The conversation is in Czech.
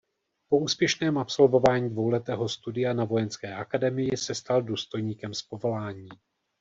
Po úspěšném absolvování dvouletého studia na vojenské akademii se stal důstojníkem z povolání.